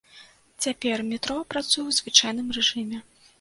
Цяпер метро працуе ў звычайным рэжыме.